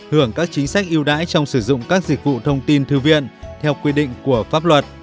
hưởng các chính sách yêu đãi trong sử dụng các dịch vụ thông tin thư viện theo quy định của pháp luật